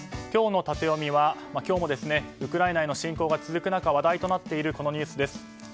今日のタテヨミは今日もウクライナへの侵攻が続く中話題となっているこのニュースです。